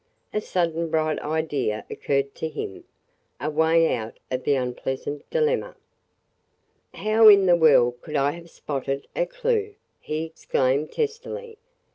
A sudden bright idea occurred to him – a way out of the unpleasant dilemma. "How in the world could I have spotted a clue?" he exclaimed testily.